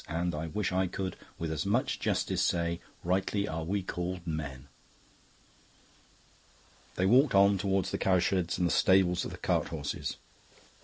And I wish I could, with as much justice, say, 'Rightly are we called men.'" They walked on towards the cowsheds and the stables of the cart horses.